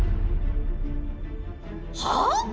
はあ⁉